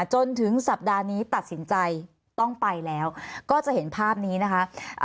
จนถึงสัปดาห์นี้ตัดสินใจต้องไปแล้วก็จะเห็นภาพนี้นะคะ